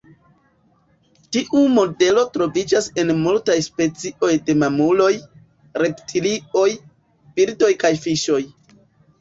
Tiu modelo troviĝas en multaj specioj de mamuloj, reptilioj, birdoj kaj fiŝoj.